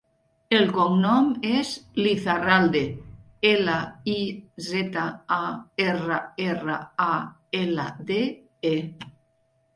El cognom és Lizarralde: ela, i, zeta, a, erra, erra, a, ela, de, e.